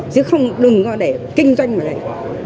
chứ không đừng có để kinh doanh vào đây